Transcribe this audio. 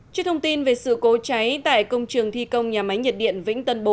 trước thông tin về sự cố cháy tại công trường thi công nhà máy nhiệt điện vĩnh tân bốn